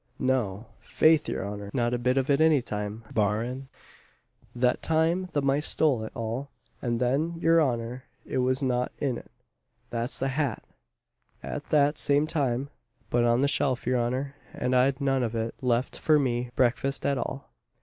"No, 'faith, your honour, not a bit of it any time, barrin that time the mice stole it all; and then, your honour, it was not in it, that's the hat, at that same time, but on the shelf, your honour, and I'd none of it left for me breakfast at all.